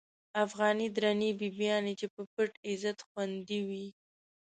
افغانی درنی بیبیانی، چی په پت عزت خوندی وی